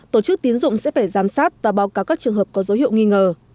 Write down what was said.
tổ chức tiến dụng sẽ phải giám sát và báo cáo các trường hợp có dấu hiệu nghi ngờ